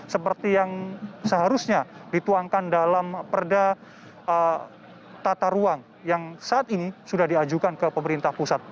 seperti yang seharusnya dituangkan dalam perda tata ruang yang saat ini sudah diajukan ke pemerintah pusat